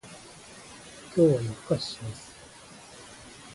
今日は夜更かしします